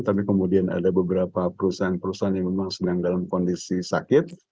tapi kemudian ada beberapa perusahaan perusahaan yang memang sedang dalam kondisi sakit